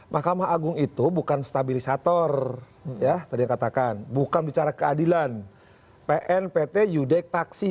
mahkamah agung itu bukan stabilisator ya tadi katakan bukan bicara keadilan pn pt yudek taksi